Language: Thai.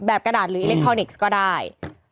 กระดาษหรืออิเล็กทรอนิกส์ก็ได้